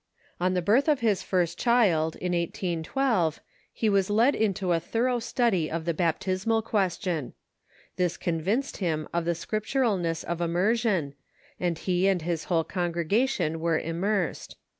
On the birth of his first child, in 1812, he Avas led into a thor ough study of the baptismal question. This convinced him of the Scripturalness of immersion, and he and his whole congre gation were immersed.